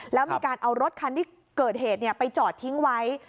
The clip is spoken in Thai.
แล้วมีการเอารถคันที่เกิดเหตุไปจอดทิ้งไว้